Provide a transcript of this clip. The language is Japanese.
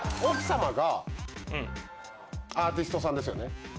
奥様がアーティストさんですよね。